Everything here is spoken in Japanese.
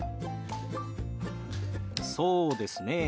そうですねえ。